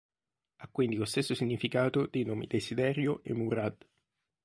Ha quindi lo stesso significato dei nomi Desiderio e Murad.